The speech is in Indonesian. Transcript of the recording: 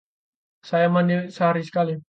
Saya mandi sehari sekali.